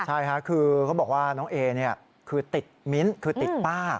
ใช่ค่ะคือเขาบอกว่าน้องเอคือติดมิ้นคือติดป้า